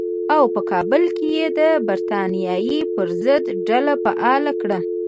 او په کابل کې یې د برټانیې پر ضد ډله فعاله کړه.